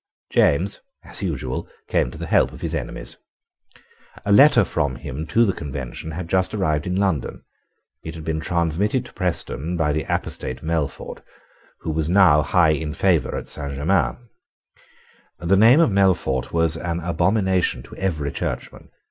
James, as usual, came to the help of his enemies. A letter from him to the Convention had just arrived in London. It had been transmitted to Preston by the apostate Melfort, who was now high in favour at Saint Germains. The name of Melfort was an abomination to every Churchman.